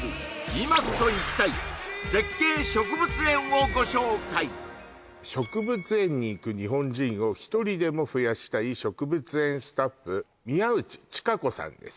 今こそ行きたい絶景植物園をご紹介植物園に行く日本人を１人でも増やしたい植物園スタッフ宮内元子さんです